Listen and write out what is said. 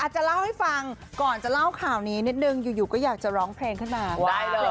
จะเล่าให้ฟังก่อนจะเล่าข่าวนี้นิดนึงอยู่ก็อยากจะร้องเพลงขึ้นมา